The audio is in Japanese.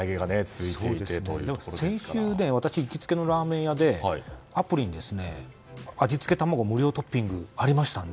先週、私行きつけのラーメン屋でアプリに味付け卵の無料トッピングがありましたので。